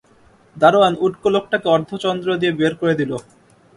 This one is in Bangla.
দারােয়ান উটকো লােকটাকে অর্ধচন্দ্র দিয়ে বের করে দিল।